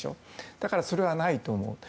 だから、それはないと思う。